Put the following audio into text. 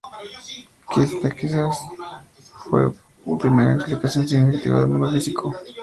Esta, quizás, fue la primera explicación significativa del mundo físico.